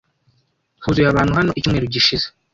Huzuye abantu hano icyumweru gishize.